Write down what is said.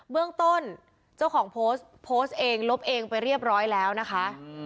เรื่องต้นเจ้าของโพสต์โพสต์เองลบเองไปเรียบร้อยแล้วนะคะ